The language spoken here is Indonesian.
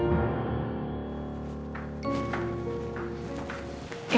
mama juga udah mau kan